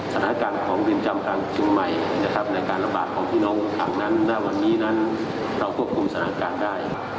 สถานการณ์ของเรือนจำกลางเชียงใหม่ในประกาศพี่น้องข้างได้เรากว่าประกอบไปได้